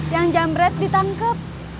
yang jamret ditangkep